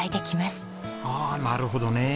ああなるほどね。